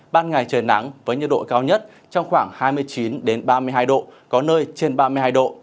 ban ngày trời nắng với nhiệt độ cao nhất trong khoảng hai mươi chín ba mươi hai độ có nơi trên ba mươi hai độ